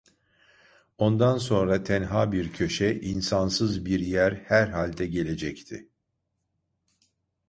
Ondan sonra tenha bir köşe, insansız bir yer herhalde gelecekti.